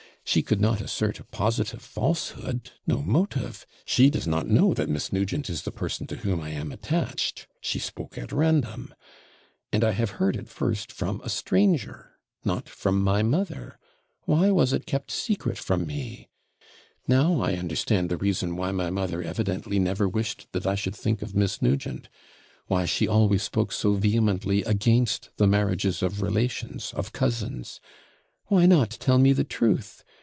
She could not assert a positive falsehood no motive. She does not know that Miss Nugent is the person to whom I am attached she spoke at random. And I have heard it first from a stranger not from my mother. Why was it kept secret from me? Now I understand the reason why my mother evidently never wished that I should think of Miss Nugent why she always spoke so vehemently against the marriages of relations, of cousins. Why not tell me the truth?